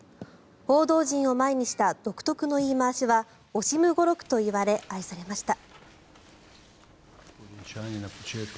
報道陣を前にした独特の言い回しはオシム語録といわれ愛されました。